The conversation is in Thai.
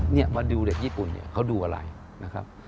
นี่มาดูเด็กญี่ปุ่นเขาดูอะไรนะครับ